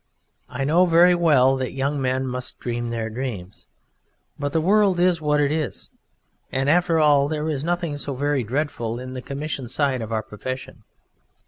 I know very well that young men must dream their dreams, but the world is what it is, and after all there is nothing so very dreadful in the commission side of our profession.